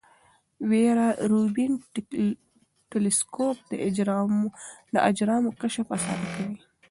ویرا روبین ټیلسکوپ د اجرامو کشف اسانه کوي.